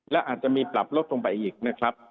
และอาจจะมีปรับลดลงไปอีกนะครับ